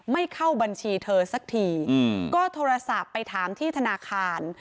ไม่เข้าบัญชีเธอสักทีก็โทรศัพท์ไปถามที่ธนาคาร